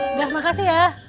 udah makasih ya